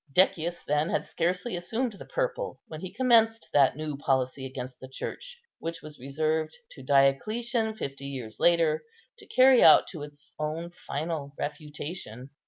Decius then had scarcely assumed the purple, when he commenced that new policy against the Church which was reserved to Diocletian, fifty years later, to carry out to its own final refutation.